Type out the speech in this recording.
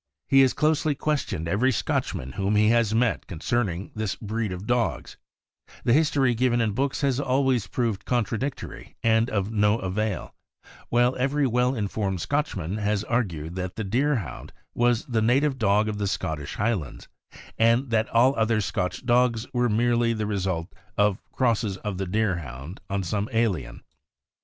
He has closely questioned every Scotchman whom he has met concerning this breed of dogs, The history given in books has always proved contradictory and of no avail; while every well informed Scotchman has argued that the Deerhound was the native dog of the Scottish Highlands, and that all other Scotch dogs were merely the result of crosses of the Deer hound on some alien.